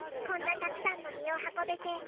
こんなたくさんのみをはこべて。